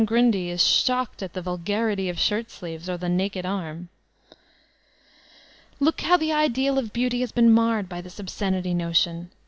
Grundy is shocked at the *'vul garity" of shirt sleeves, or the naked arm! Look how the ideal of beauty has been marred by thb obscenity notion.